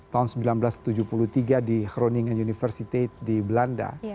tahun seribu sembilan ratus tujuh puluh tiga di kroningha university di belanda